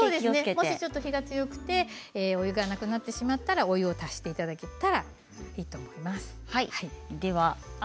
もし火が強くてお湯が足りなくなってきたらお湯だけ足していただければいいと思います。